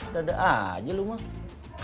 dada aja lu emak